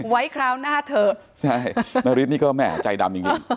ไว้คราวหน้าเถอะใช่นาริษย์นี่ก็แม่ใจดำอย่างงี้